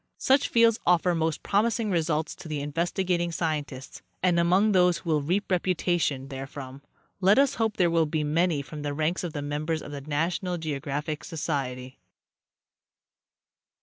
Such fields offer most promising results to investigating sci entists, and among those who will reap reputation therefrom let us hope there will be many from the ranks of the members of the NATIONAL GEOGRAPHIC SOCIETY.